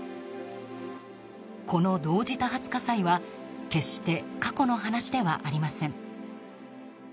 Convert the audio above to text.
この同時多発火災は決して過去の話ではありません。